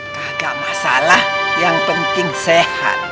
kagak masalah yang penting sehat